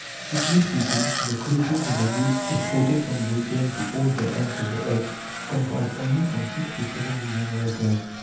Strictly speaking the creators of the goods exported from Britain to all the ends of the earth comprise only from six to seven million workers.